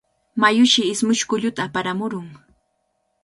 Mayushi ismush kulluta aparamun.